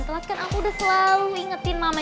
telat kan aku udah selalu ingetin mamanya